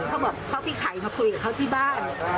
เขาบอกเพราะพี่ไข่มาคุยกับเขาที่บ้าน